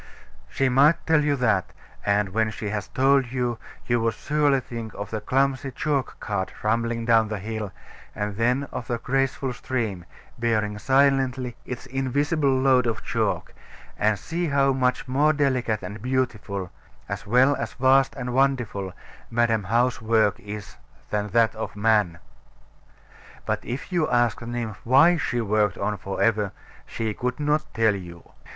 She might tell you that; and when she had told you, you would surely think of the clumsy chalk cart rumbling down the hill, and then of the graceful stream, bearing silently its invisible load of chalk; and see how much more delicate and beautiful, as well as vast and wonderful, Madam How's work is than that of man. But if you asked the nymph why she worked on for ever, she could not tell you.